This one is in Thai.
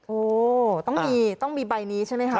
โอ้ต้องมีต้องมีใบนี้ใช่ไหมคะ